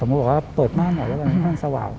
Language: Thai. ผมก็บอกว่าเปิดบ้านหน่อยแล้วบ้านสว่าง